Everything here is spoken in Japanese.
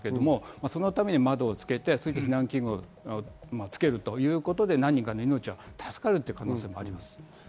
そのために窓をつけて避難器具をつけるということで何人かの命は助かるという可能性もあります。